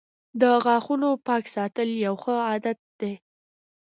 • د غاښونو پاک ساتل یوه ښه عادت دی.